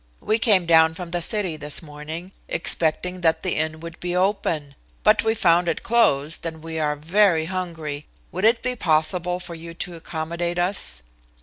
"We came down from the city this morning expecting that the inn would be open. But we found it closed and we are very hungry. Would it be possible for you to accommodate us?"